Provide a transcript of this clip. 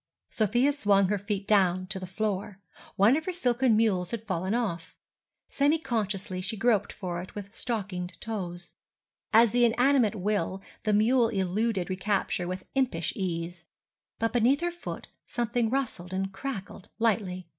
Sofia swung her feet down to the floor. One of her silken mules had fallen off. Semi consciously she groped for it with stockinged toes. As the inanimate will, the mule eluded recapture with impish ease. But beneath her foot something rustled and crackled lightly.